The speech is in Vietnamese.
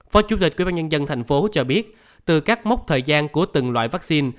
phó chủ tịch quỹ ban nhân dân thành phố cho biết từ các mốc thời gian của từng loại vaccine